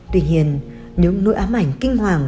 tuy nhiên những nỗi ám ảnh kinh hoàng